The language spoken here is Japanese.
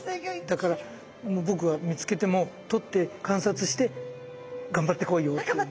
だから僕は見つけても捕って観察して頑張ってこいよっていう。